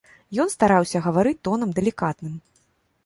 Ён стараўся гаварыць тонам далікатным.